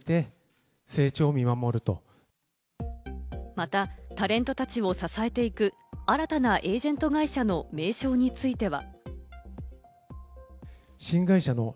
また、タレントたちを支えていく新たなエージェント会社の名称については。